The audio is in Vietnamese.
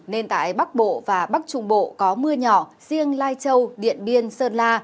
nên tại bắc bộ và bắc trung bộ có mưa nhỏ riêng lai châu điện biên sơn la